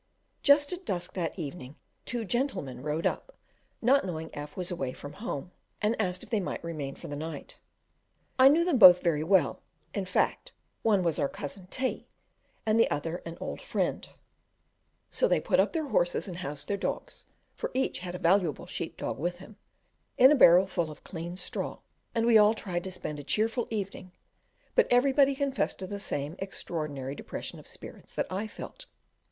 Just at dusk that evening, two gentlemen rode up, not knowing F was from home, and asked if they might remain for the night. I knew them both very well; in fact, one was our cousin T , and the other an old friend; so they put up their horses, and housed their dogs (for each had a valuable sheep dog with him) in a barrel full of clean straw, and we all tried to spend a cheerful evening, but everybody confessed to the same extraordinary depression of spirits that I felt.